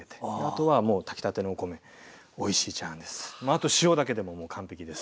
あと塩だけでもう完璧です。